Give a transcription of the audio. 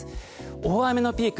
大雨のピーク